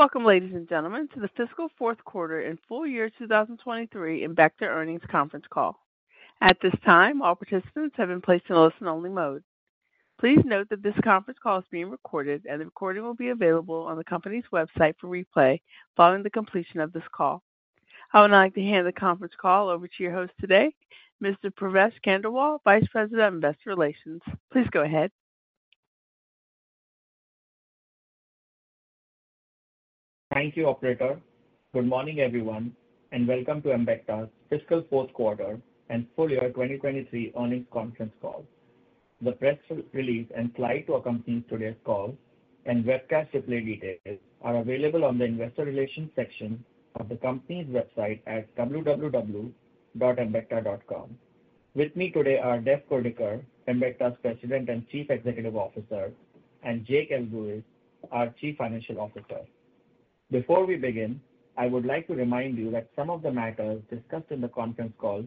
Welcome, ladies and gentlemen, to the fiscal Fourth Quarter and Full Year 2023 Embecta Earnings Conference Call. At this time, all participants have been placed in a listen-only mode. Please note that this conference call is being recorded, and the recording will be available on the company's website for replay following the completion of this call. I would now like to hand the conference call over to your host today, Mr. Pravesh Khandelwal, Vice President of Investor Relations. Please go ahead. Thank you, operator. Good morning, everyone, and welcome to Embecta's Fiscal Fourth Quarter and Full Year 2023 Earnings Conference Call. The press release and slide to accompany today's call and webcast replay details are available on the investor relations section of the company's website at www.embecta.com. With me today are Dev Kurdikar, Embecta's President and Chief Executive Officer, and Jake Elguicze, our Chief Financial Officer. Before we begin, I would like to remind you that some of the matters discussed in the conference call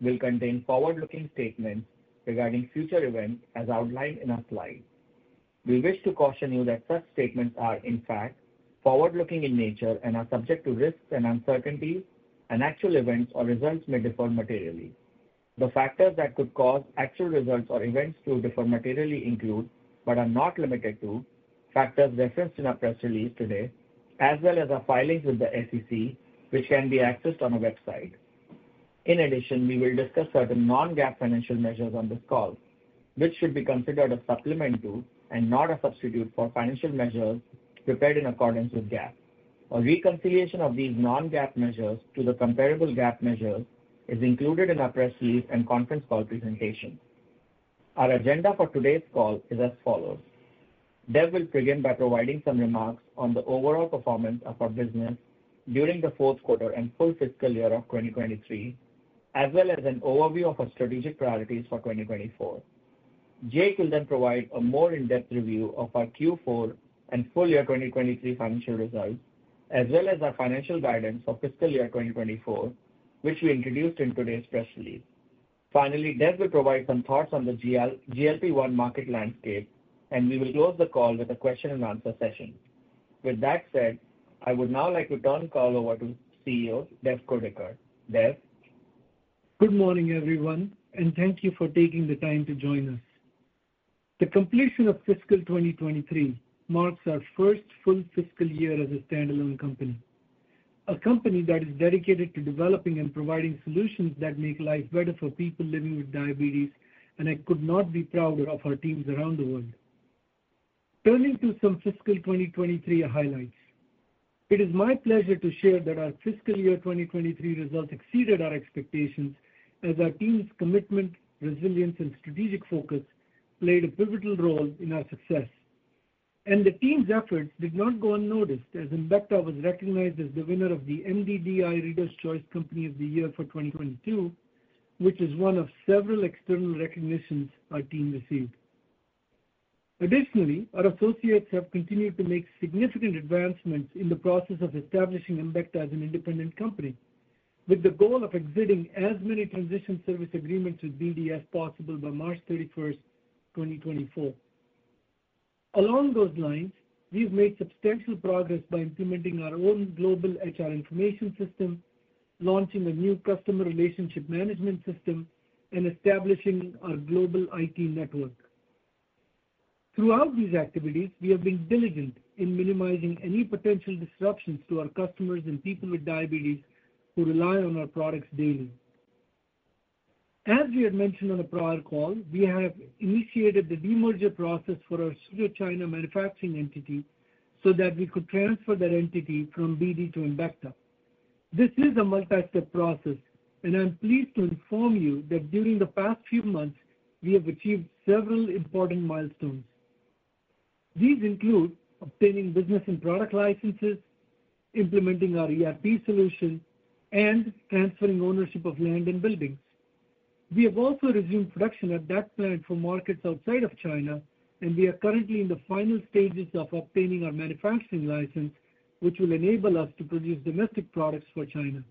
will contain forward-looking statements regarding future events as outlined in our slide. We wish to caution you that such statements are, in fact, forward-looking in nature and are subject to risks and uncertainties, and actual events or results may differ materially. The factors that could cause actual results or events to differ materially include, but are not limited to, factors referenced in our press release today, as well as our filings with the SEC, which can be accessed on our website. In addition, we will discuss certain non-GAAP financial measures on this call, which should be considered as supplement to and not a substitute for financial measures prepared in accordance with GAAP. A reconciliation of these non-GAAP measures to the comparable GAAP measures is included in our press release and conference call presentation. Our agenda for today's call is as follows: Dev will begin by providing some remarks on the overall performance of our business during the fourth quarter and full fiscal year of 2023, as well as an overview of our strategic priorities for 2024. Jake will then provide a more in-depth review of our Q4 and full year 2023 financial results, as well as our financial guidance for fiscal year 2024, which we introduced in today's press release. Finally, Dev will provide some thoughts on the GLP-1 market landscape, and we will close the call with a question and answer session. With that said, I would now like to turn the call over to CEO Dev Kurdikar. Dev? Good morning, everyone, and thank you for taking the time to join us. The completion of fiscal 2023 marks our first full fiscal year as a standalone company, a company that is dedicated to developing and providing solutions that make life better for people living with diabetes, and I could not be prouder of our teams around the world. Turning to some fiscal 2023 highlights. It is my pleasure to share that our fiscal year 2023 results exceeded our expectations, as our team's commitment, resilience, and strategic focus played a pivotal role in our success. The team's efforts did not go unnoticed, as Embecta was recognized as the winner of the MD+DI Reader's Choice Company of the Year for 2022, which is one of several external recognitions our team received. Additionally, our associates have continued to make significant advancements in the process of establishing Embecta as an independent company, with the goal of exiting as many transition service agreements with BD as possible by March 31st, 2024. Along those lines, we've made substantial progress by implementing our own global HR information system, launching a new customer relationship management system, and establishing our global IT network. Throughout these activities, we have been diligent in minimizing any potential disruptions to our customers and people with diabetes who rely on our products daily. As we had mentioned on a prior call, we have initiated the demerger process for our Suzhou, China, manufacturing entity so that we could transfer that entity from BD to Embecta. This is a multi-step process, and I'm pleased to inform you that during the past few months, we have achieved several important milestones. These include obtaining business and product licenses, implementing our ERP solution, and transferring ownership of land and buildings. We have also resumed production at that plant for markets outside of China, and we are currently in the final stages of obtaining our manufacturing license, which will enable us to produce domestic products for China.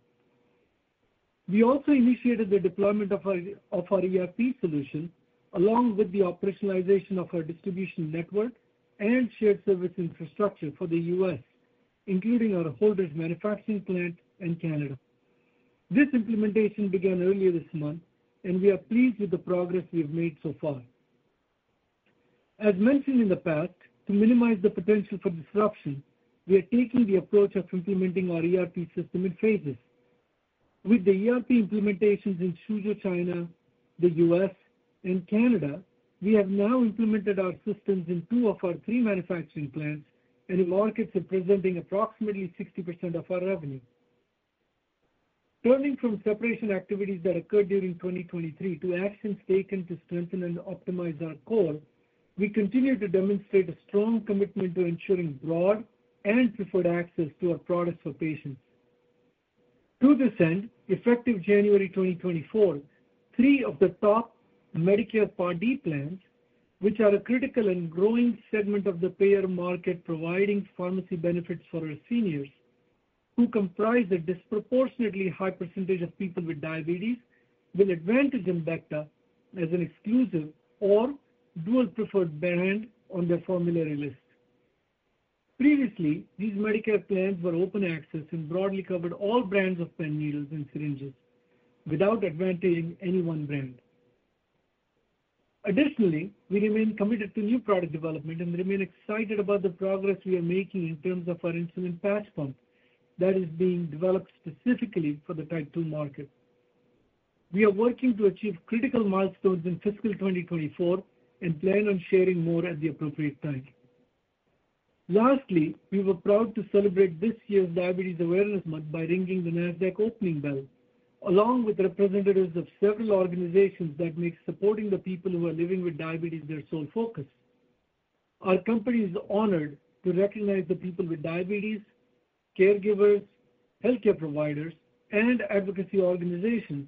We also initiated the deployment of our ERP solution, along with the operationalization of our distribution network and shared service infrastructure for the U.S., including our Holdrege manufacturing plant in Canada. This implementation began earlier this month, and we are pleased with the progress we have made so far. As mentioned in the past, to minimize the potential for disruption, we are taking the approach of implementing our ERP system in phases. With the ERP implementations in Suzhou, China, the U.S., and Canada, we have now implemented our systems in two of our three manufacturing plants and in markets representing approximately 60% of our revenue. Turning from separation activities that occurred during 2023 to actions taken to strengthen and optimize our core, we continue to demonstrate a strong commitment to ensuring broad and preferred access to our products for patients. To this end, effective January 2024, three of the top Medicare Part D plans, which are a critical and growing segment of the payer market providing pharmacy benefits for our seniors who comprise a disproportionately high percentage of people with diabetes, will advantage Embecta as an exclusive or dual preferred brand on their formulary list. Previously, these Medicare plans were open access and broadly covered all brands of pen needles and syringes without advantaging any one brand. Additionally, we remain committed to new product development and remain excited about the progress we are making in terms of our insulin patch pump that is being developed specifically for the Type 2 market. We are working to achieve critical milestones in fiscal 2024 and plan on sharing more at the appropriate time. Lastly, we were proud to celebrate this year's Diabetes Awareness Month by ringing the Nasdaq opening bell, along with representatives of several organizations that make supporting the people who are living with diabetes their sole focus. Our company is honored to recognize the people with diabetes, caregivers, healthcare providers, and advocacy organizations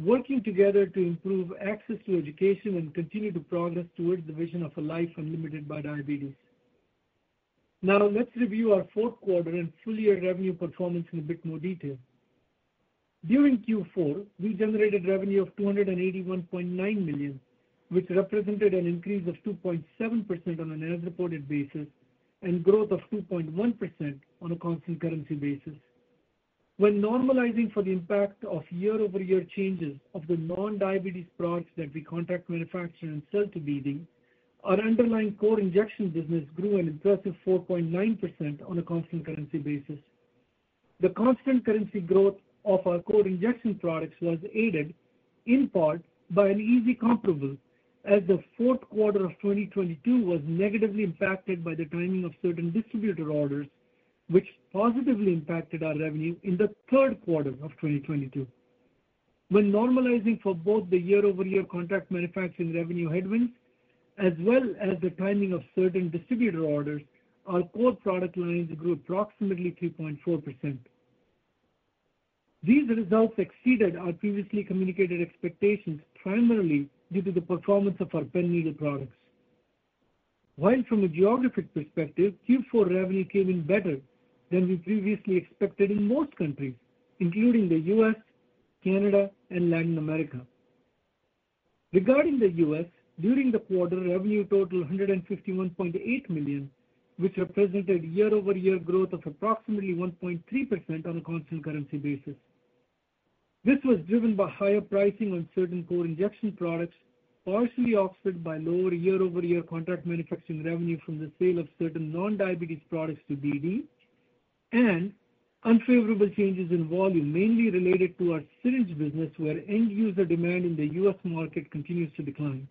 working together to improve access to education and continue to progress towards the vision of a life unlimited by diabetes. Now, let's review our fourth quarter and full-year revenue performance in a bit more detail. During Q4, we generated revenue of $281.9 million, which represented an increase of 2.7% on an as-reported basis and growth of 2.1% on a constant currency basis. When normalizing for the impact of year-over-year changes of the non-diabetes products that we contract, manufacture, and sell to BD, our underlying core injection business grew an impressive 4.9% on a constant currency basis. The constant currency growth of our core injection products was aided in part by an easy comparable, as the fourth quarter of 2022 was negatively impacted by the timing of certain distributor orders, which positively impacted our revenue in the third quarter of 2022. When normalizing for both the year-over-year contract manufacturing revenue headwinds, as well as the timing of certain distributor orders, our core product lines grew approximately 3.4%. These results exceeded our previously communicated expectations, primarily due to the performance of our pen needle products. While from a geographic perspective, Q4 revenue came in better than we previously expected in most countries, including the U.S., Canada, and Latin America. Regarding the U.S., during the quarter, revenue totaled $151.8 million, which represented year-over-year growth of approximately 1.3% on a constant currency basis. This was driven by higher pricing on certain core injection products, partially offset by lower year-over-year contract manufacturing revenue from the sale of certain non-diabetes products to BD and unfavorable changes in volume, mainly related to our syringe business, where end-user demand in the U.S. market continues to decline.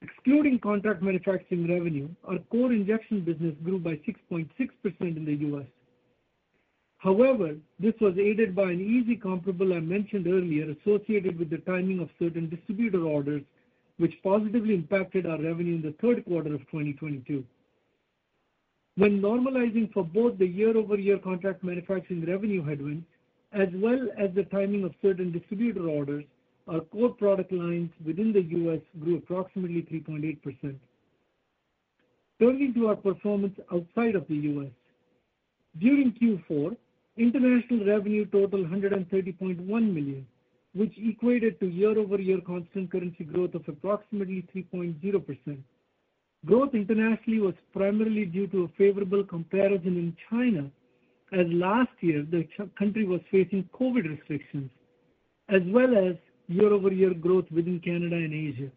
Excluding contract manufacturing revenue, our core injection business grew by 6.6% in the U.S. However, this was aided by an easy comparable I mentioned earlier, associated with the timing of certain distributor orders, which positively impacted our revenue in the third quarter of 2022. When normalizing for both the year-over-year contract manufacturing revenue headwinds, as well as the timing of certain distributor orders, our core product lines within the U.S. grew approximately 3.8%. Turning to our performance outside of the U.S. During Q4, international revenue totaled $130.1 million, which equated to year-over-year constant currency growth of approximately 3.0%. Growth internationally was primarily due to a favorable comparison in China, as last year the country was facing COVID restrictions, as well as year-over-year growth within Canada and Asia.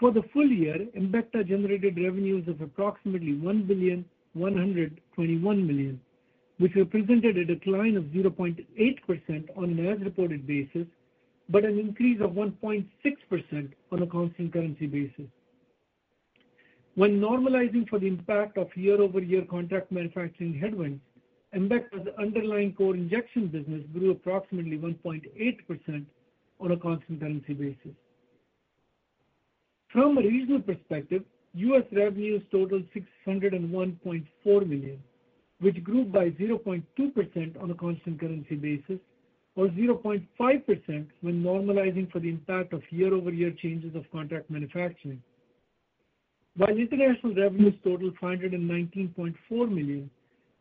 For the full year, Embecta generated revenues of approximately $1,121 million, which represented a decline of 0.8% on an as-reported basis, but an increase of 1.6% on a constant currency basis. When normalizing for the impact of year-over-year contract manufacturing headwinds, Embecta's underlying core injection business grew approximately 1.8% on a constant currency basis. From a regional perspective, U.S. revenues totaled $601.4 million, which grew by 0.2% on a constant currency basis or 0.5% when normalizing for the impact of year-over-year changes of contract manufacturing. While international revenues totaled $119.4 million,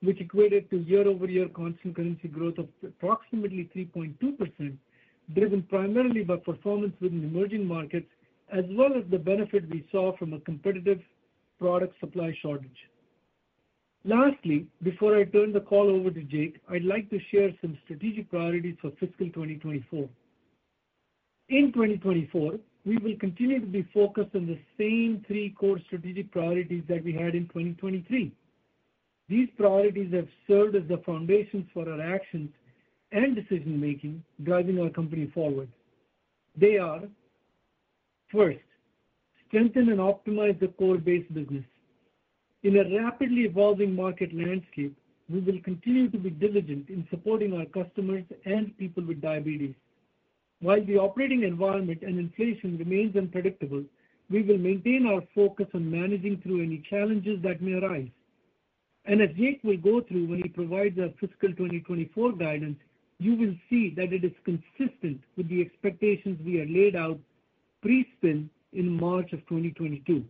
which equated to year-over-year constant currency growth of approximately 3.2%, driven primarily by performance within emerging markets, as well as the benefit we saw from a competitive product supply shortage. Lastly, before I turn the call over to Jake, I'd like to share some strategic priorities for fiscal 2024. In 2024, we will continue to be focused on the same three core strategic priorities that we had in 2023. These priorities have served as the foundations for our actions and decision-making, driving our company forward. They are: First, strengthen and optimize the core base business. In a rapidly evolving market landscape, we will continue to be diligent in supporting our customers and people with diabetes. While the operating environment and inflation remains unpredictable, we will maintain our focus on managing through any challenges that may arise. As Jake will go through when he provides our fiscal 2024 guidance, you will see that it is consistent with the expectations we have laid out pre-spin in March 2022.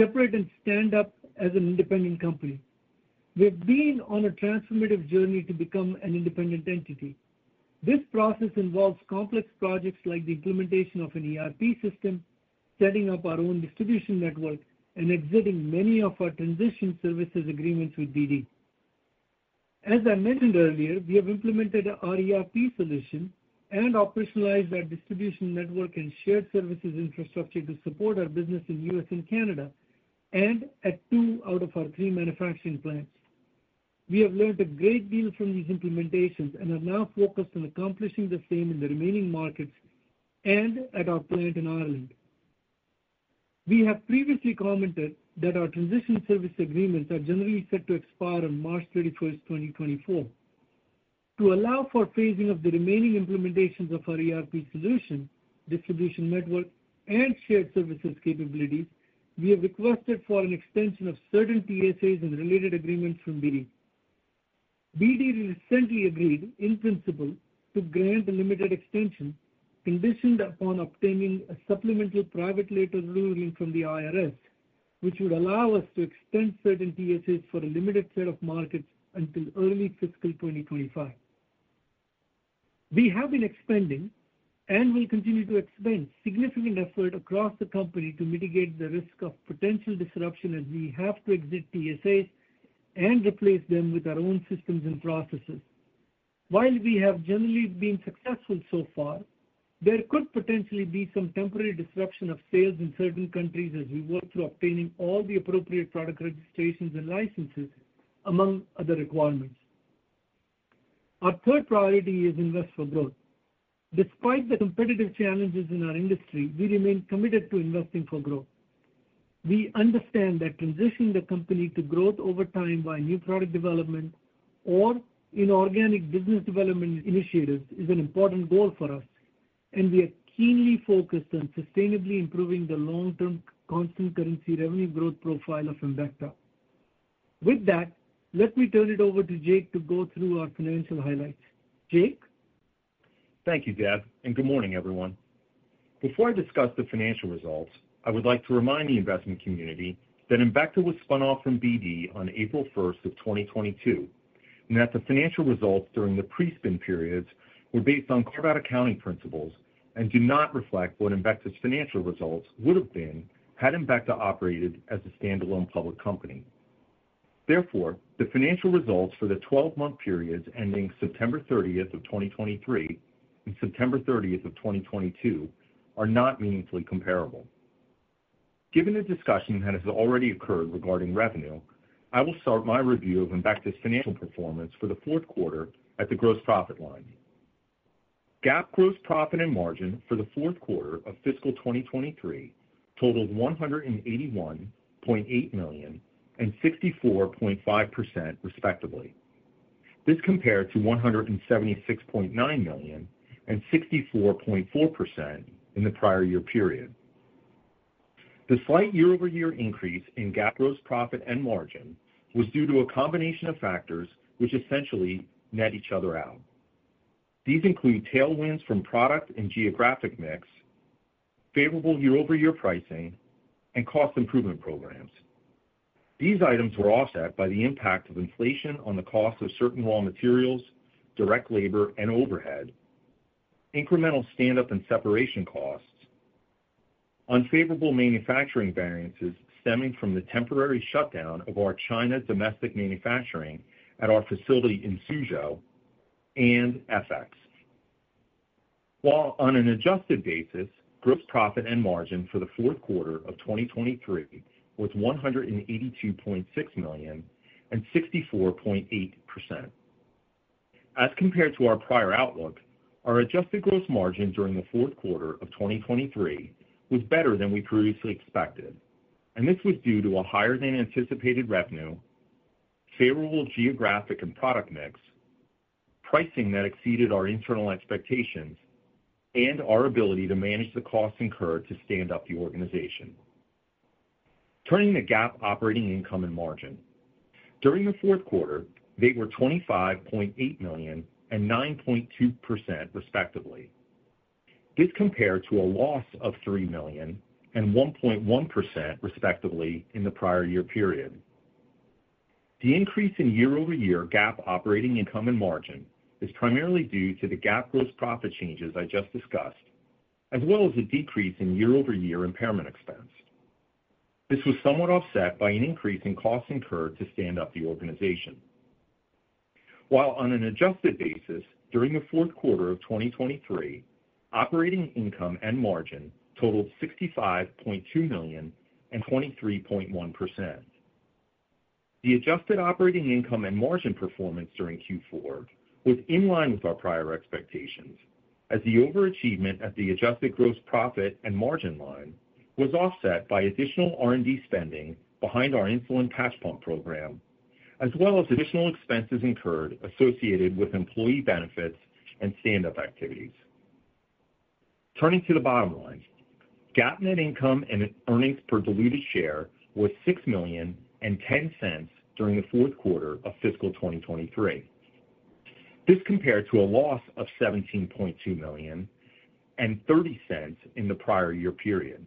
Separate and stand up as an independent company. We have been on a transformative journey to become an independent entity. This process involves complex projects like the implementation of an ERP system, setting up our own distribution network, and exiting many of our transition services agreements with BD. As I mentioned earlier, we have implemented our ERP solution and operationalized our distribution network and shared services infrastructure to support our business in U.S. and Canada, and at two out of our three manufacturing plants. We have learned a great deal from these implementations and are now focused on accomplishing the same in the remaining markets and at our plant in Ireland. We have previously commented that our transition service agreements are generally set to expire on March 31st, 2024. To allow for phasing of the remaining implementations of our ERP solution, distribution network, and shared services capabilities, we have requested for an extension of certain TSAs and related agreements from BD. BD recently agreed in principle to grant a limited extension, conditioned upon obtaining a supplemental private letter ruling from the IRS, which would allow us to extend certain TSAs for a limited set of markets until early fiscal 2025. We have been expending and will continue to expend significant effort across the company to mitigate the risk of potential disruption as we have to exit TSAs and replace them with our own systems and processes. While we have generally been successful so far, there could potentially be some temporary disruption of sales in certain countries as we work through obtaining all the appropriate product registrations and licenses, among other requirements. Our third priority is invest for growth. Despite the competitive challenges in our industry, we remain committed to investing for growth. We understand that transitioning the company to growth over time by new product development or inorganic business development initiatives is an important goal for us, and we are keenly focused on sustainably improving the long-term constant currency revenue growth profile of Embecta. With that, let me turn it over to Jake to go through our financial highlights. Jake? Thank you, Dev, and good morning, everyone. Before I discuss the financial results, I would like to remind the investment community that Embecta was spun off from BD on April 1st of 2022, and that the financial results during the pre-spin periods were based on carve-out accounting principles and do not reflect what Embecta's financial results would have been had Embecta operated as a standalone public company. Therefore, the financial results for the 12-month periods ending September 30th of 2023 and September 30th of 2022 are not meaningfully comparable. Given the discussion that has already occurred regarding revenue, I will start my review of Embecta's financial performance for the fourth quarter at the gross profit line. GAAP gross profit and margin for the fourth quarter of fiscal 2023 totaled $181.8 million and 64.5%, respectively. This compared to $176.9 million and 64.4% in the prior year period. The slight year-over-year increase in GAAP gross profit and margin was due to a combination of factors which essentially net each other out. These include tailwinds from product and geographic mix, favorable year-over-year pricing, and cost improvement programs. These items were offset by the impact of inflation on the cost of certain raw materials, direct labor, and overhead, incremental stand-up and separation costs, unfavorable manufacturing variances stemming from the temporary shutdown of our China domestic manufacturing at our facility in Suzhou, and FX. While on an adjusted basis, gross profit and margin for the fourth quarter of 2023 was $182.6 million and 64.8%. As compared to our prior outlook, our adjusted gross margin during the fourth quarter of 2023 was better than we previously expected, and this was due to a higher than anticipated revenue, favorable geographic and product mix, pricing that exceeded our internal expectations, and our ability to manage the costs incurred to stand up the organization. Turning to GAAP operating income and margin. During the fourth quarter, they were $25.8 million and 9.2%, respectively. This compared to a loss of $3 million and 1.1%, respectively, in the prior year period. The increase in year-over-year GAAP operating income and margin is primarily due to the GAAP gross profit changes I just discussed, as well as a decrease in year-over-year impairment expense. This was somewhat offset by an increase in costs incurred to stand up the organization. While on an adjusted basis, during the fourth quarter of 2023, operating income and margin totaled $65.2 million and 23.1%. The adjusted operating income and margin performance during Q4 was in line with our prior expectations, as the overachievement at the adjusted gross profit and margin line was offset by additional R&D spending behind our insulin patch pump program, as well as additional expenses incurred associated with employee benefits and stand-up activities. Turning to the bottom line. GAAP net income and earnings per diluted share was $6 million and $0.10 during the fourth quarter of fiscal 2023. This compared to a loss of $17.2 million and $0.30 in the prior year period.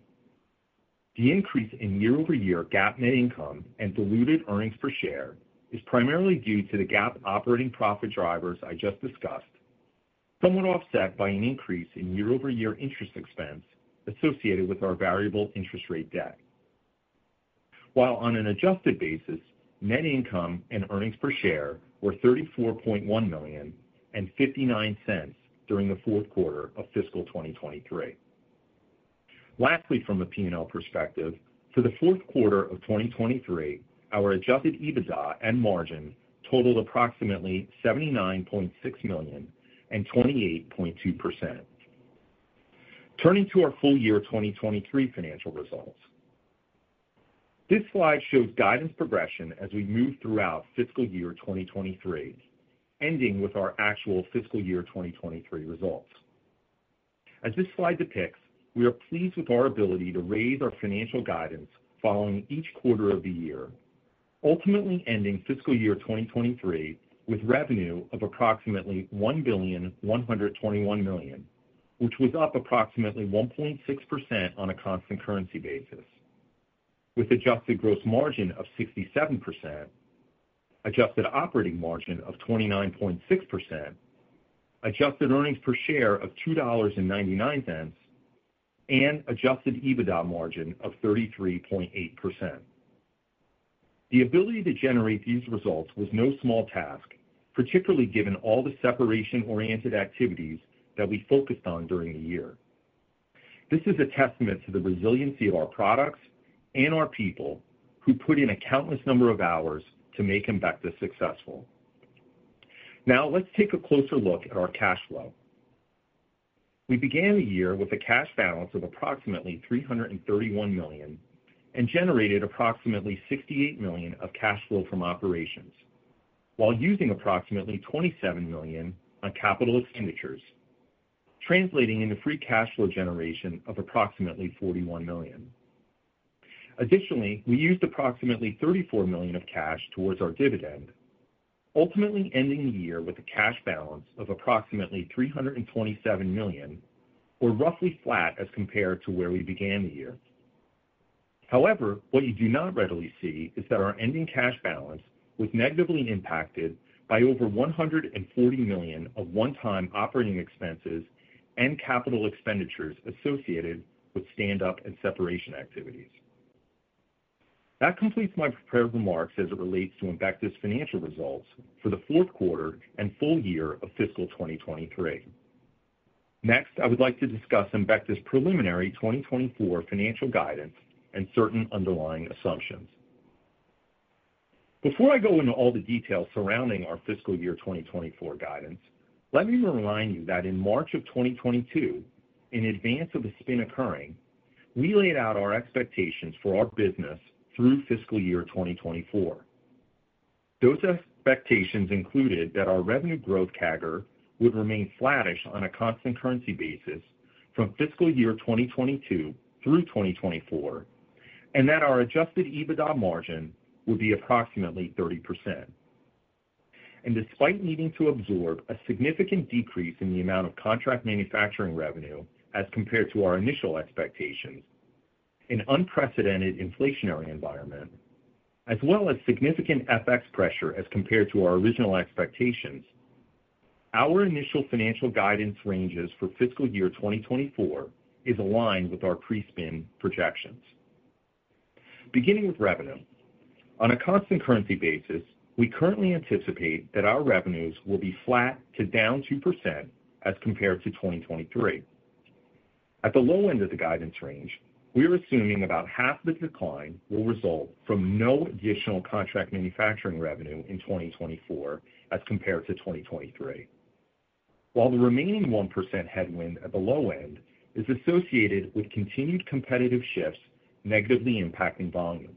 The increase in year-over-year GAAP net income and diluted earnings per share is primarily due to the GAAP operating profit drivers I just discussed, somewhat offset by an increase in year-over-year interest expense associated with our variable interest rate debt. While on an adjusted basis, net income and earnings per share were $34.1 million and $0.59 during the fourth quarter of fiscal 2023. Lastly, from a P&L perspective, for the fourth quarter of 2023, our adjusted EBITDA and margin totaled approximately $79.6 million and 28.2%. Turning to our full year 2023 financial results. This slide shows guidance progression as we move throughout fiscal year 2023, ending with our actual fiscal year 2023 results. As this slide depicts, we are pleased with our ability to raise our financial guidance following each quarter of the year, ultimately ending fiscal year 2023 with revenue of approximately $1,121 million, which was up approximately 1.6% on a constant currency basis, with adjusted gross margin of 67%, adjusted operating margin of 29.6%, adjusted earnings per share of $2.99, and adjusted EBITDA margin of 33.8%. The ability to generate these results was no small task, particularly given all the separation-oriented activities that we focused on during the year. This is a testament to the resiliency of our products and our people, who put in a countless number of hours to make Embecta successful. Now, let's take a closer look at our cash flow. We began the year with a cash balance of approximately $331 million and generated approximately $68 million of cash flow from operations, while using approximately $27 million on capital expenditures, translating into free cash flow generation of approximately $41 million. Additionally, we used approximately $34 million of cash towards our dividend, ultimately ending the year with a cash balance of approximately $327 million, or roughly flat as compared to where we began the year. However, what you do not readily see is that our ending cash balance was negatively impacted by over $140 million of one-time operating expenses and capital expenditures associated with stand-up and separation activities. That completes my prepared remarks as it relates to Embecta's financial results for the fourth quarter and full year of fiscal 2023. Next, I would like to discuss Embecta's preliminary 2024 financial guidance and certain underlying assumptions. Before I go into all the details surrounding our fiscal year 2024 guidance, let me remind you that in March of 2022, in advance of the spin occurring, we laid out our expectations for our business through fiscal year 2024. Those expectations included that our revenue growth CAGR would remain flattish on a constant currency basis from fiscal year 2022 through 2024, and that our adjusted EBITDA margin would be approximately 30%. Despite needing to absorb a significant decrease in the amount of contract manufacturing revenue as compared to our initial expectations, an unprecedented inflationary environment, as well as significant FX pressure as compared to our original expectations, our initial financial guidance ranges for fiscal year 2024 is aligned with our pre-spin projections. Beginning with revenue. On a constant currency basis, we currently anticipate that our revenues will be flat to down 2% as compared to 2023. At the low end of the guidance range, we are assuming about half the decline will result from no additional contract manufacturing revenue in 2024 as compared to 2023. While the remaining 1% headwind at the low end is associated with continued competitive shifts negatively impacting volume.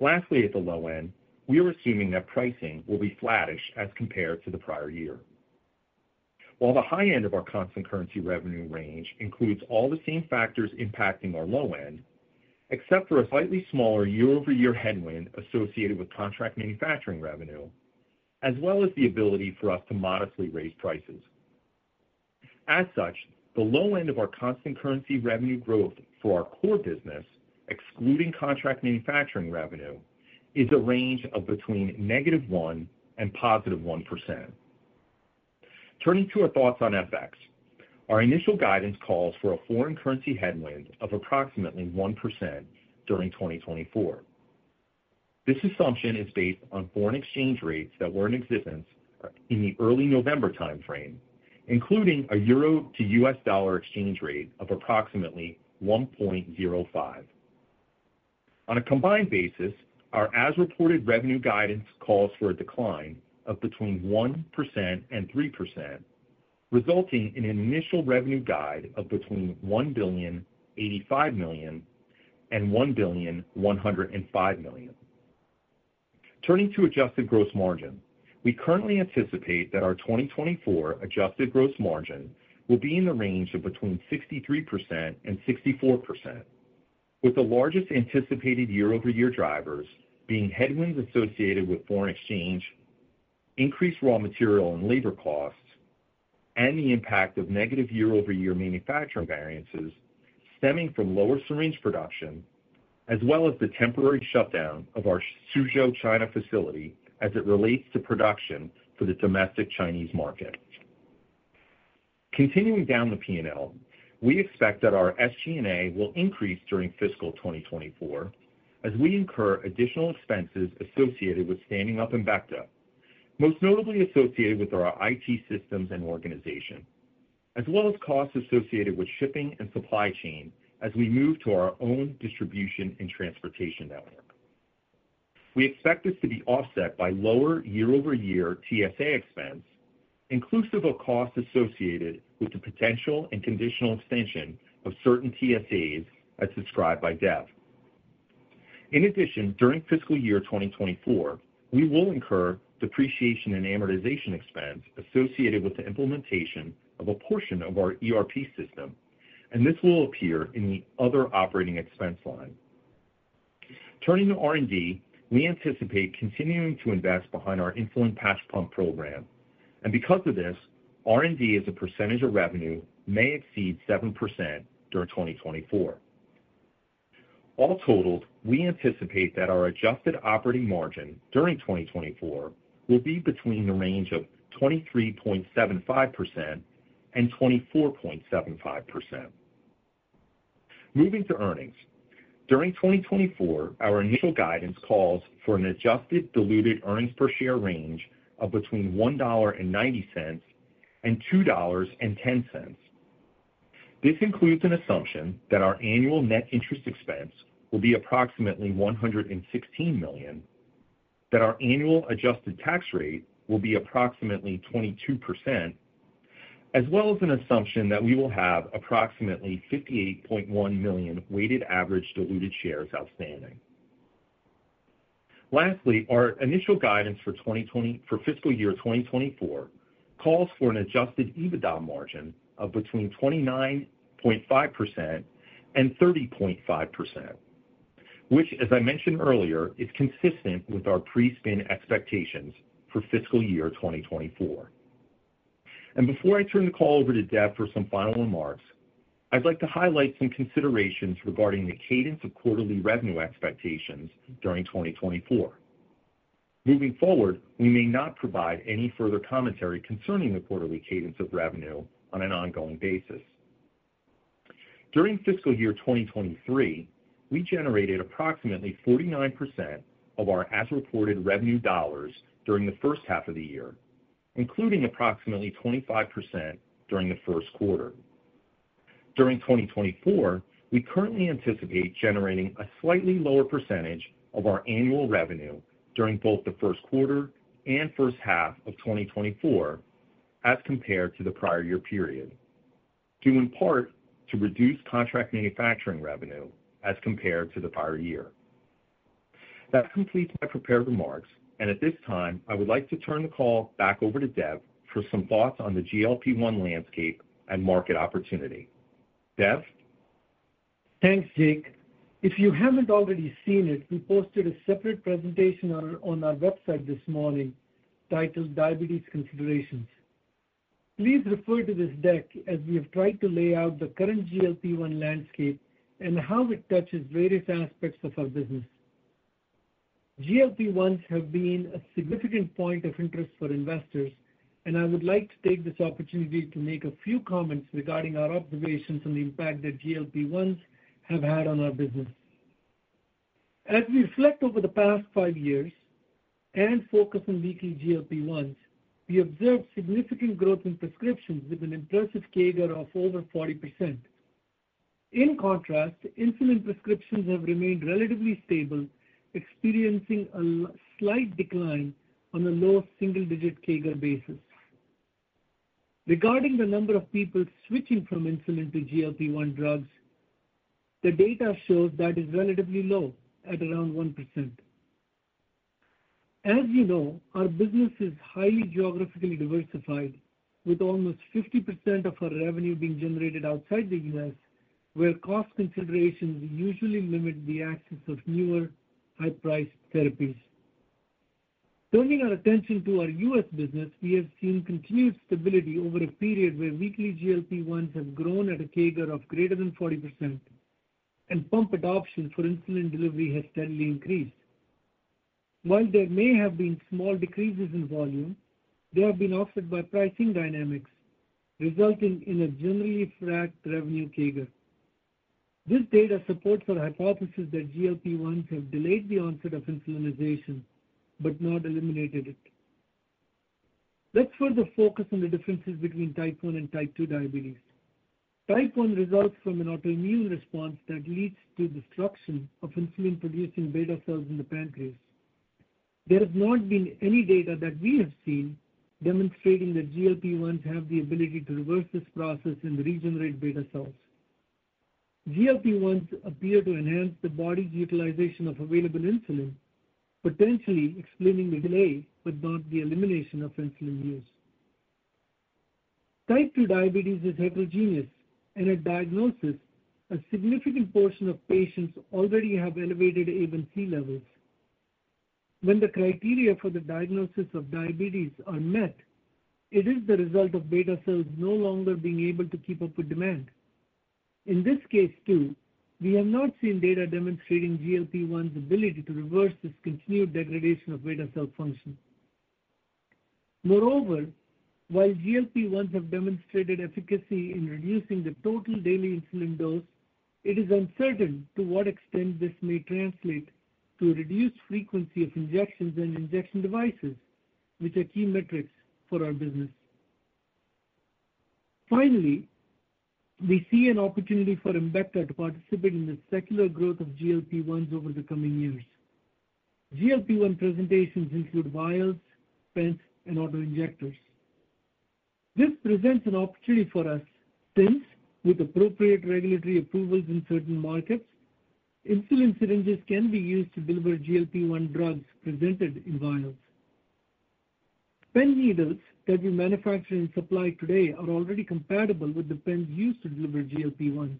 Lastly, at the low end, we are assuming that pricing will be flattish as compared to the prior year. While the high end of our constant currency revenue range includes all the same factors impacting our low end, except for a slightly smaller year-over-year headwind associated with contract manufacturing revenue, as well as the ability for us to modestly raise prices. As such, the low end of our constant currency revenue growth for our core business, excluding contract manufacturing revenue, is a range of between -1% and +1%. Turning to our thoughts on FX. Our initial guidance calls for a foreign currency headwind of approximately 1% during 2024. This assumption is based on foreign exchange rates that were in existence in the early November time frame, including a euro to U.S. dollar exchange rate of approximately 1.05. On a combined basis, our as-reported revenue guidance calls for a decline of between 1% and 3%, resulting in an initial revenue guide of between $1.085 billion and $1.105 billion. Turning to adjusted gross margin. We currently anticipate that our 2024 adjusted gross margin will be in the range of between 63% and 64%. With the largest anticipated year-over-year drivers being headwinds associated with foreign exchange, increased raw material and labor costs, and the impact of negative year-over-year manufacturing variances stemming from lower syringe production, as well as the temporary shutdown of our Suzhou, China, facility as it relates to production for the domestic Chinese market. Continuing down the P&L, we expect that our SG&A will increase during fiscal 2024 as we incur additional expenses associated with standing up Embecta, most notably associated with our IT systems and organization, as well as costs associated with shipping and supply chain as we move to our own distribution and transportation network. We expect this to be offset by lower year-over-year TSA expense, inclusive of costs associated with the potential and conditional extension of certain TSAs as described by Dev. In addition, during fiscal year 2024, we will incur depreciation and amortization expense associated with the implementation of a portion of our ERP system, and this will appear in the other operating expense line. Turning to R&D, we anticipate continuing to invest behind our insulin patch pump program, and because of this, R&D as a percentage of revenue may exceed 7% during 2024. All totaled, we anticipate that our adjusted operating margin during 2024 will be between the range of 23.75% and 24.75%. Moving to earnings, during 2024, our initial guidance calls for an adjusted diluted earnings per share range of between $1.90 and $2.10. This includes an assumption that our annual net interest expense will be approximately $116 million, that our annual adjusted tax rate will be approximately 22%, as well as an assumption that we will have approximately $58.1 million weighted average diluted shares outstanding. Lastly, our initial guidance for 2024—for fiscal year 2024 calls for an adjusted EBITDA margin of between 29.5% and 30.5%, which, as I mentioned earlier, is consistent with our pre-spin expectations for fiscal year 2024. And before I turn the call over to Dev for some final remarks, I'd like to highlight some considerations regarding the cadence of quarterly revenue expectations during 2024. Moving forward, we may not provide any further commentary concerning the quarterly cadence of revenue on an ongoing basis. During fiscal year 2023, we generated approximately 49% of our as-reported revenue dollars during the first half of the year, including approximately 25% during the first quarter. During 2024, we currently anticipate generating a slightly lower percentage of our annual revenue during both the first quarter and first half of 2024 as compared to the prior year period, due in part to reduced contract manufacturing revenue as compared to the prior year. That completes my prepared remarks, and at this time, I would like to turn the call back over to Dev for some thoughts on the GLP-1 landscape and market opportunity. Dev? Thanks, Jake. If you haven't already seen it, we posted a separate presentation on our website this morning titled Diabetes Considerations. Please refer to this deck as we have tried to lay out the current GLP-1 landscape and how it touches various aspects of our business. GLP-1s have been a significant point of interest for investors, and I would like to take this opportunity to make a few comments regarding our observations on the impact that GLP-1s have had on our business. As we reflect over the past five years and focus on weekly GLP-1s, we observed significant growth in prescriptions with an impressive CAGR of over 40%. In contrast, insulin prescriptions have remained relatively stable, experiencing a slight decline on a low single-digit CAGR basis. Regarding the number of people switching from insulin to GLP-1 drugs, the data shows that is relatively low at around 1%. As you know, our business is highly geographically diversified, with almost 50% of our revenue being generated outside the U.S., where cost considerations usually limit the access of newer, high-priced therapies. Turning our attention to our U.S. business, we have seen continued stability over a period where weekly GLP-1s have grown at a CAGR of greater than 40%, and pump adoption for insulin delivery has steadily increased. While there may have been small decreases in volume, they have been offset by pricing dynamics, resulting in a generally flat revenue CAGR. This data supports our hypothesis that GLP-1s have delayed the onset of insulinization, but not eliminated it. Let's further focus on the differences between Type 1 and Type 2 diabetes. Type 1 results from an autoimmune response that leads to destruction of insulin-producing beta cells in the pancreas. There has not been any data that we have seen demonstrating that GLP-1s have the ability to reverse this process and regenerate beta cells. GLP-1s appear to enhance the body's utilization of available insulin, potentially explaining the delay, but not the elimination of insulin use.... Type 2 diabetes is heterogeneous, and at diagnosis, a significant portion of patients already have elevated A1C levels. When the criteria for the diagnosis of diabetes are met, it is the result of beta cells no longer being able to keep up with demand. In this case, too, we have not seen data demonstrating GLP-1's ability to reverse this continued degradation of beta cell function. Moreover, while GLP-1s have demonstrated efficacy in reducing the total daily insulin dose, it is uncertain to what extent this may translate to a reduced frequency of injections and injection devices, which are key metrics for our business. Finally, we see an opportunity for Embecta to participate in the secular growth of GLP-1s over the coming years. GLP-1 presentations include vials, pens, and auto-injectors. This presents an opportunity for us, since with appropriate regulatory approvals in certain markets, insulin syringes can be used to deliver GLP-1 drugs presented in vials. Pen needles that we manufacture and supply today are already compatible with the pens used to deliver GLP-1s.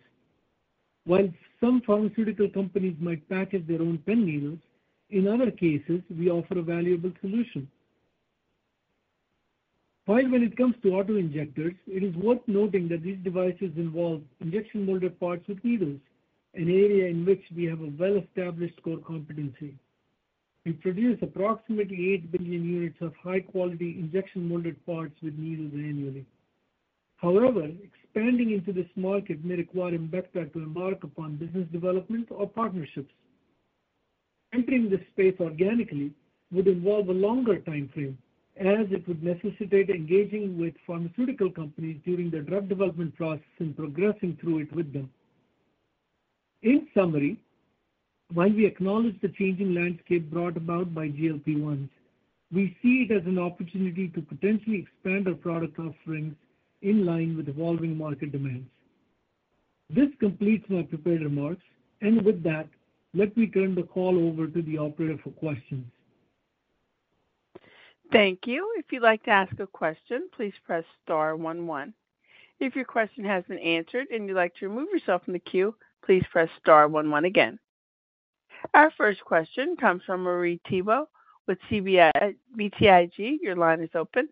While some pharmaceutical companies might package their own pen needles, in other cases, we offer a valuable solution. Finally, when it comes to auto-injectors, it is worth noting that these devices involve injection molded parts with needles, an area in which we have a well-established core competency. We produce approximately 8 billion units of high-quality injection molded parts with needles annually. However, expanding into this market may require Embecta to embark upon business development or partnerships. Entering this space organically would involve a longer time frame, as it would necessitate engaging with pharmaceutical companies during the drug development process and progressing through it with them. In summary, while we acknowledge the changing landscape brought about by GLP-1s, we see it as an opportunity to potentially expand our product offerings in line with evolving market demands. This completes my prepared remarks, and with that, let me turn the call over to the operator for questions. Thank you. If you'd like to ask a question, please press star one one. If your question has been answered and you'd like to remove yourself from the queue, please press star one one again. Our first question comes from Marie Thibault with BTIG. Your line is open.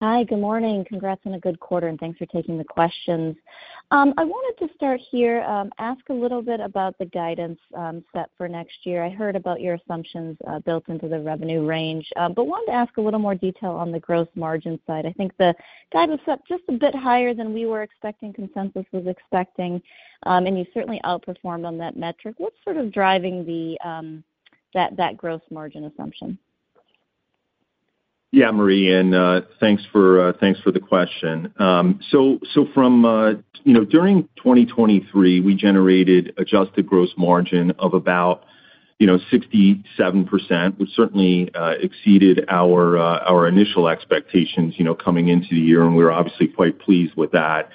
Hi, good morning. Congrats on a good quarter, and thanks for taking the questions. I wanted to start here, ask a little bit about the guidance, set for next year. I heard about your assumptions, built into the revenue range, but wanted to ask a little more detail on the growth margin side. I think the guidance was set just a bit higher than we were expecting, consensus was expecting, and you certainly outperformed on that metric. What's sort of driving that growth margin assumption? Yeah, Marie, and thanks for the question. So from, you know, during 2023, we generated adjusted gross margin of about, you know, 67%, which certainly exceeded our initial expectations, you know, coming into the year, and we're obviously quite pleased with that.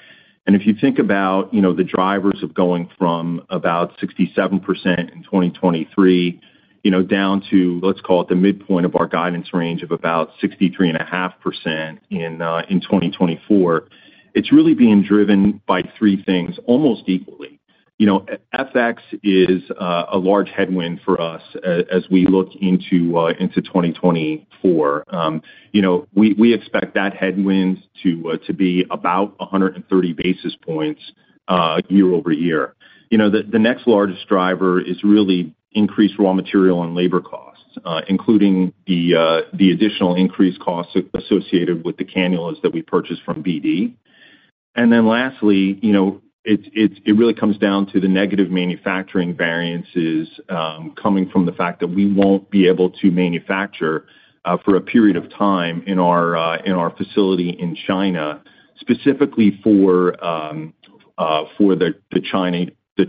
And if you think about, you know, the drivers of going from about 67% in 2023, you know, down to, let's call it, the midpoint of our guidance range of about 63.5% in 2024, it's really being driven by three things, almost equally. You know, FX is a large headwind for us as we look into 2024. You know, we expect that headwind to be about 130 basis points year-over-year. You know, the next largest driver is really increased raw material and labor costs, including the additional increased costs associated with the cannulas that we purchase from BD. And then lastly, you know, it really comes down to the negative manufacturing variances, coming from the fact that we won't be able to manufacture for a period of time in our facility in China, specifically for the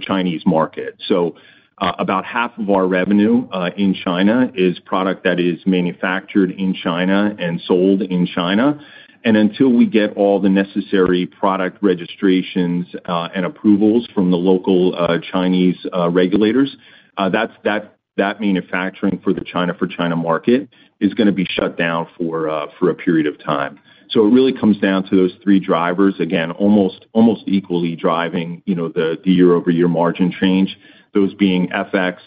Chinese market. So, about half of our revenue in China is product that is manufactured in China and sold in China. And until we get all the necessary product registrations and approvals from the local Chinese regulators, that manufacturing for the China market is gonna be shut down for a period of time. So it really comes down to those three drivers, again, almost, almost equally driving, you know, the year-over-year margin change. Those being FX,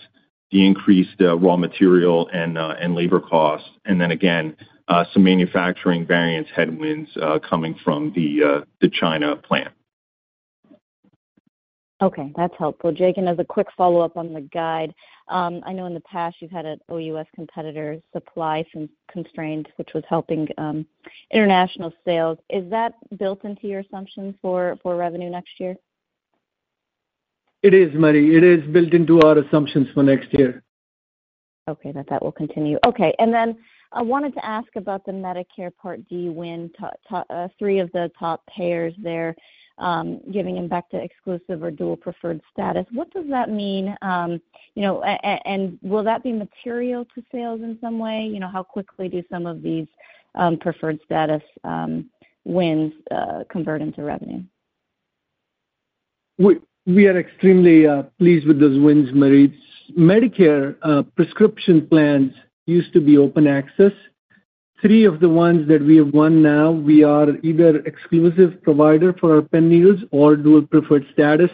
the increased raw material and labor costs, and then again some manufacturing variance headwinds coming from the China plant. Okay, that's helpful. Jake, and as a quick follow-up on the guide, I know in the past you've had an OUS competitor supply some constraints, which was helping international sales. Is that built into your assumptions for revenue next year? It is, Marie. It is built into our assumptions for next year. Okay, that that will continue. Okay, and then I wanted to ask about the Medicare Part D win, three of the top payers there, giving Embecta exclusive or dual preferred status. What does that mean? You know, and will that be material to sales in some way? You know, how quickly do some of these preferred status wins convert into revenue?... We are extremely pleased with those wins, Marie. Medicare prescription plans used to be open access. Three of the ones that we have won now, we are either exclusive provider for our pen needles or dual preferred status.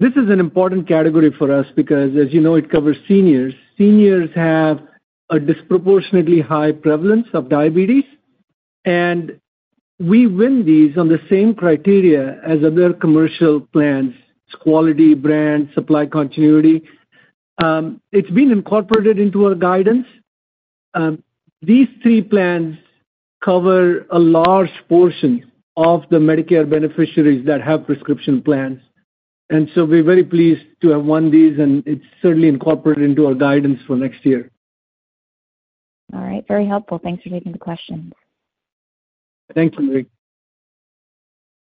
This is an important category for us because, as you know, it covers seniors. Seniors have a disproportionately high prevalence of diabetes, and we win these on the same criteria as other commercial plans, quality, brand, supply, continuity. It's been incorporated into our guidance. These three plans cover a large portion of the Medicare beneficiaries that have prescription plans, and so we're very pleased to have won these, and it's certainly incorporated into our guidance for next year. All right. Very helpful. Thanks for taking the questions. Thank you, Marie.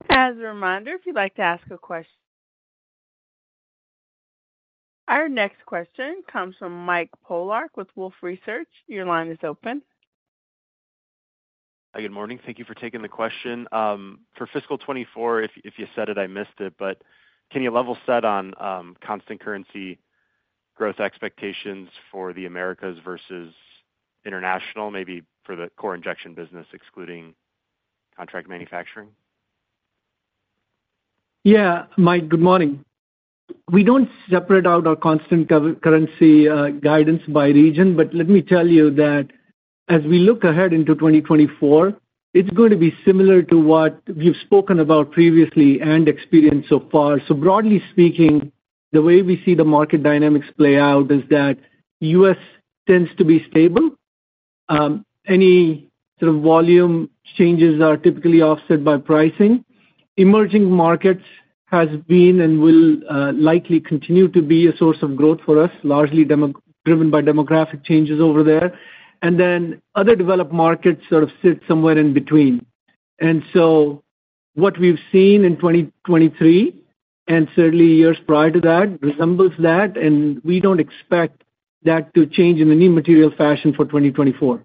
As a reminder, if you'd like to ask a question... Our next question comes from Mike Polark with Wolfe Research. Your line is open. Hi, good morning. Thank you for taking the question. For fiscal 2024, if you said it, I missed it, but can you level set on constant currency growth expectations for the Americas versus international, maybe for the core injection business, excluding contract manufacturing? Yeah, Mike, good morning. We don't separate out our constant currency guidance by region, but let me tell you that as we look ahead into 2024, it's going to be similar to what we've spoken about previously and experienced so far. So broadly speaking, the way we see the market dynamics play out is that U.S. tends to be stable. Any sort of volume changes are typically offset by pricing. Emerging markets has been and will likely continue to be a source of growth for us, largely demographically driven by demographic changes over there. And then other developed markets sort of sit somewhere in between. And so what we've seen in 2023, and certainly years prior to that, resembles that, and we don't expect that to change in any material fashion for 2024.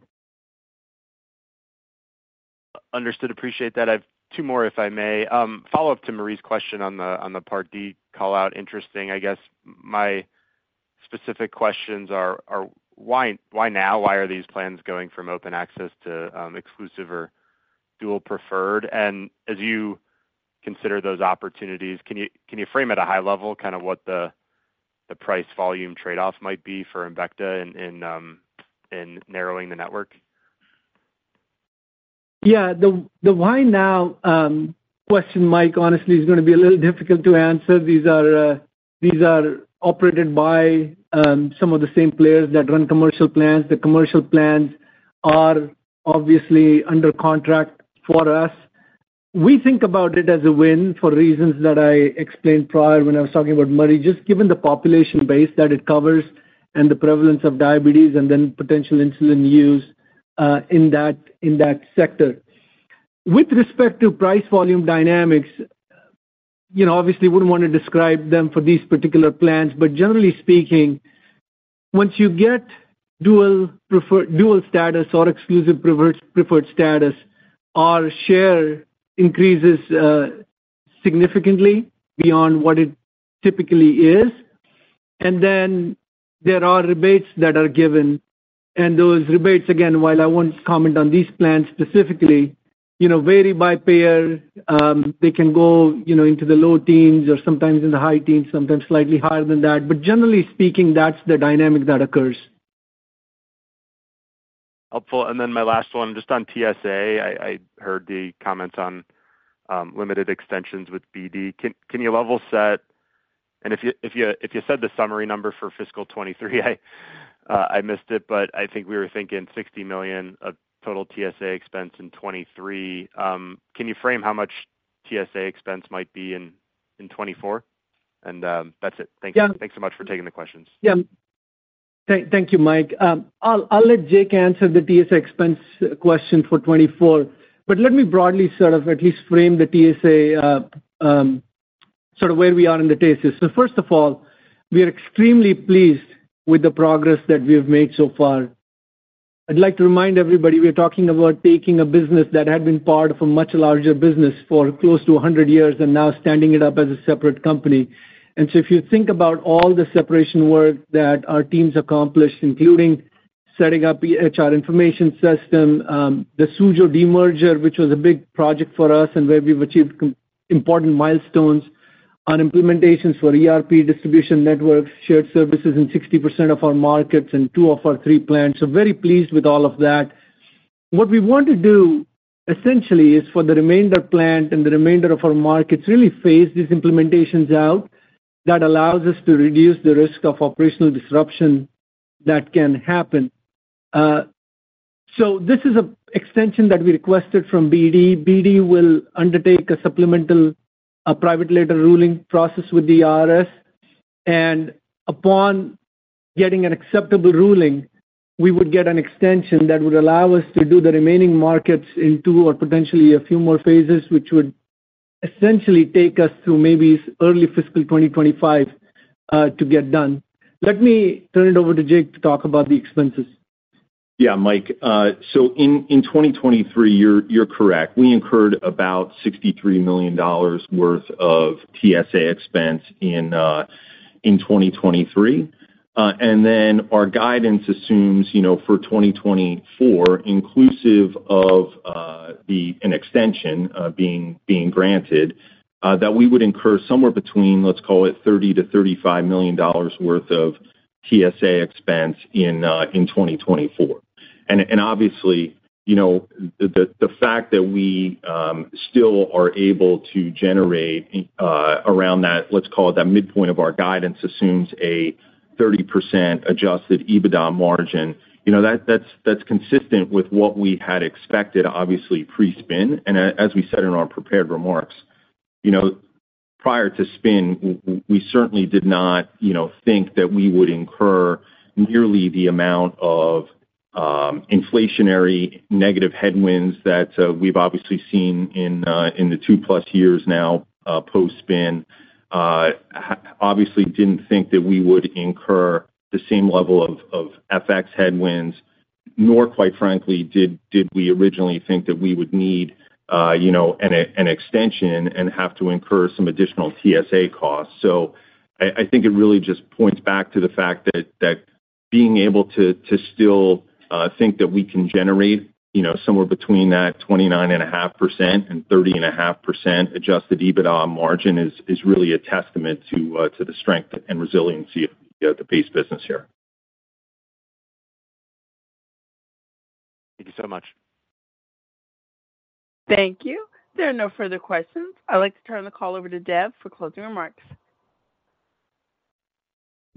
Understood. Appreciate that. I've two more, if I may. Follow-up to Marie's question on the Part D call out. Interesting. I guess my specific questions are why now? Why are these plans going from open access to exclusive or dual preferred? And as you consider those opportunities, can you frame at a high level kind of what the price volume trade-off might be for Embecta in narrowing the network? Yeah. The why now question, Mike, honestly, is going to be a little difficult to answer. These are operated by some of the same players that run commercial plans. The commercial plans are obviously under contract for us. We think about it as a win for reasons that I explained prior when I was talking about Marie, just given the population base that it covers and the prevalence of diabetes and then potential insulin use in that sector. With respect to price-volume dynamics, you know, obviously wouldn't want to describe them for these particular plans, but generally speaking, once you get dual status or exclusive preferred status, our share increases significantly beyond what it typically is. And then there are rebates that are given, and those rebates, again, while I won't comment on these plans specifically, you know, vary by payer, they can go, you know, into the low teens or sometimes in the high teens, sometimes slightly higher than that. But generally speaking, that's the dynamic that occurs. Helpful. And then my last one, just on TSA. I heard the comments on limited extensions with BD. Can you level set? And if you said the summary number for fiscal 2023, I missed it, but I think we were thinking $60 million of total TSA expense in 2023. Can you frame how much TSA expense might be in 2024? And that's it. Thank you. Yeah. Thanks so much for taking the questions. Yeah. Thank you, Mike. I'll let Jake answer the TSA expense question for 2024, but let me broadly sort of at least frame the TSA, sort of where we are in the TSA. So first of all, we are extremely pleased with the progress that we have made so far. I'd like to remind everybody, we're talking about taking a business that had been part of a much larger business for close to 100 years and now standing it up as a separate company. And so if you think about all the separation work that our teams accomplished, including setting up the HR information system, the Suzhou demerger, which was a big project for us, and where we've achieved important milestones on implementations for ERP, distribution networks, shared services in 60% of our markets and two of our three plants. So very pleased with all of that. What we want to do, essentially, is for the remainder plant and the remainder of our markets, really phase these implementations out. That allows us to reduce the risk of operational disruption that can happen. So this is an extension that we requested from BD. BD will undertake a supplemental, a private letter ruling process with the IRS, and upon getting an acceptable ruling, we would get an extension that would allow us to do the remaining markets in two or potentially a few more phases, which would essentially take us through maybe early fiscal 2025, to get done. Let me turn it over to Jake to talk about the expenses. ... Yeah, Mike, so in 2023, you're correct. We incurred about $63 million worth of TSA expense in 2023. And then our guidance assumes, you know, for 2024, inclusive of an extension being granted, that we would incur somewhere between, let's call it $30 million-$35 million worth of TSA expense in 2024. And obviously, you know, the fact that we still are able to generate, around that, let's call it that midpoint of our guidance, assumes a 30% adjusted EBITDA margin. You know, that's consistent with what we had expected, obviously, pre-spin. And as we said in our prepared remarks, you know, prior to spin, we certainly did not, you know, think that we would incur nearly the amount of inflationary negative headwinds that we've obviously seen in the two plus years now post-spin. Obviously didn't think that we would incur the same level of FX headwinds, nor, quite frankly, did we originally think that we would need, you know, an extension and have to incur some additional TSA costs. So I think it really just points back to the fact that being able to still think that we can generate, you know, somewhere between that 29.5%-30.5% adjusted EBITDA margin is really a testament to the strength and resiliency of the pace business here. Thank you so much. Thank you. There are no further questions. I'd like to turn the call over to Dev for closing remarks.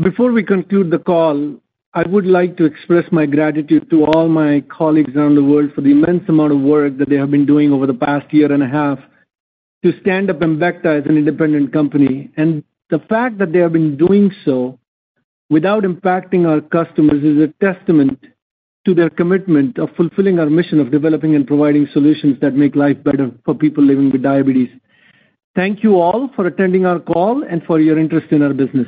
Before we conclude the call, I would like to express my gratitude to all my colleagues around the world for the immense amount of work that they have been doing over the past year and a half to stand up and back us as an independent company. The fact that they have been doing so without impacting our customers is a testament to their commitment of fulfilling our mission of developing and providing solutions that make life better for people living with diabetes. Thank you all for attending our call and for your interest in our business.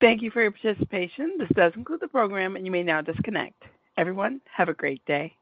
Thank you for your participation. This does conclude the program, and you may now disconnect. Everyone, have a great day.